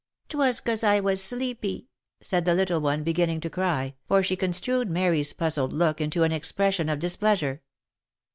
" 'Twas, cause I was sleepy," said the little one, beginning to cry, for she construed Mary's puzzled look into an expression of dis pleasure.